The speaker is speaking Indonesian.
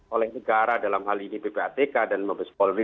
oleh negara dalam hal ini ppatk dan mabes polri